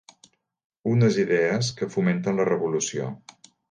Unes idees que fomenten la revolució.